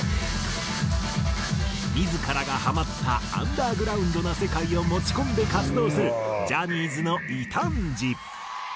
自らがハマったアンダーグラウンドな世界を持ち込んで活動するジャニーズの異端児。